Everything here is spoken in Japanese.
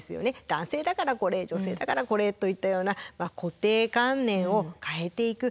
男性だからこれ女性だからこれといったような固定観念を変えていく。